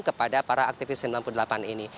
kepada para aktivis sembilan puluh delapan ini